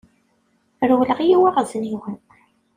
Rewleɣ i yiwaɣezniwen.